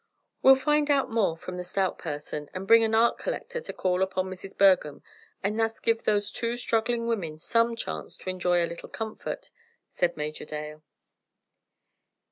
"We'll find out more from the stout person, and bring an art collector to call upon Mrs. Bergham, and thus give those two struggling women some chance to enjoy a little comfort," said Major Dale.